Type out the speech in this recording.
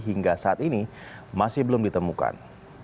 hingga saat ini masih belum ditemukan